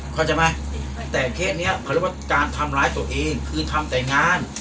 เข้าใจไหมแต่เคสนี้เขาเรียกว่าการทำร้ายตัวเองคือทำแต่งาน